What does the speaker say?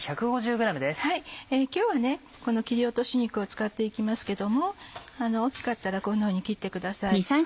今日はこの切り落とし肉を使って行きますけども大きかったらこんなふうに切ってください。